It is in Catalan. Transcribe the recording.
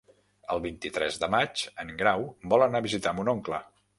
El vint-i-tres de maig en Grau vol anar a visitar mon oncle.